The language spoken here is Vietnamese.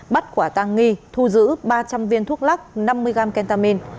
bắt quả tang nghi thu giữ ba trăm linh viên thuốc lắc năm mươi g kentamin